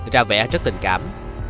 ra vẽ rất tình cảm